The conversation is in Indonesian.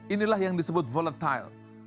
inilah yang disebut volatile